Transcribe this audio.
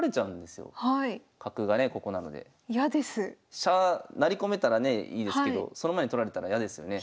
飛車成り込めたらねいいですけどその前に取られたら嫌ですよね。